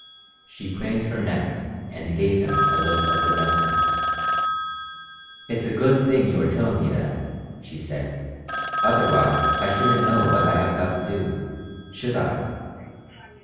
She craned her neck and gave him a look of resentment. "It's a good thing you are telling me that," she said. "Otherwise I shouldn't know what I have got to do, should I?"